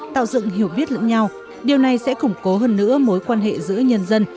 tạo dựng hiểu biết lẫn nhau điều này sẽ củng cố hơn nữa mối quan hệ giữa nhân dân